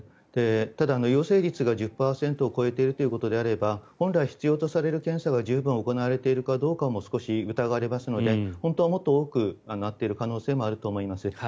ただ、陽性率が１０％を超えているということであれば本来、必要とされる検査が十分行われているかどうかも少し疑われますので本当はもっと多くなっている可能性もあると思います。